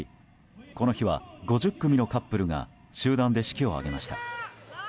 この日は５０組のカップルが集団で式を挙げました。